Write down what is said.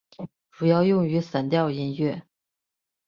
主要用于散调音乐。